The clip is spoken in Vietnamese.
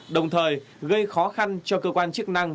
đồng thời gây khó khăn cho cơ quan chức năng